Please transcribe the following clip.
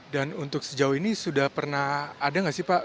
dan untuk sejauh ini sudah pernah ada nggak sih pak